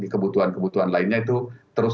kebutuhan kebutuhan lainnya itu terus